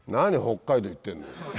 北海道行ってんのよ。